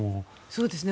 そうですね。